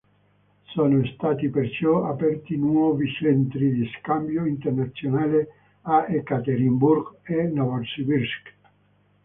Sono stati perciò aperti nuovi centri di scambio internazionali a Ekaterinburg e Novosibirsk.